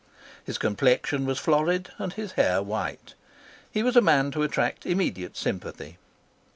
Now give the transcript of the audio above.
His complexion was florid and his hair white. He was a man to attract immediate sympathy.